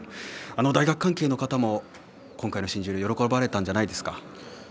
大学関係の方も今回の新十両喜ばれたんじゃないですか。